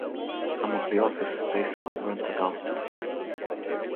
Some of the office space was rented out.